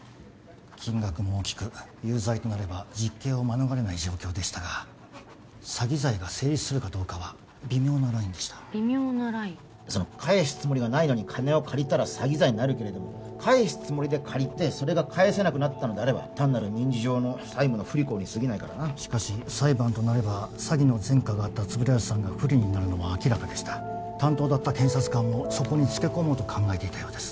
金額も大きく有罪となれば実刑を免れない状況でしたが詐欺罪が成立するかどうかは微妙なラインでした微妙なライン返すつもりがないのに金を借りたら詐欺罪になるけれども返すつもりで借りてそれが返せなくなったのであれば単なる民事上の債務の不履行にすぎないからなしかし裁判となれば詐欺の前科があった円谷さんが不利になるのは明らかでした担当だった検察官もそこにつけ込もうと考えていたようです